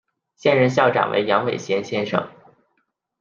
现任校长为杨伟贤先生。